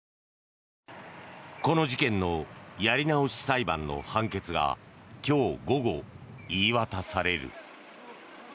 この事件のやり直し裁判の判決が今日午後、言い渡される。